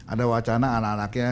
ada wacana anak anaknya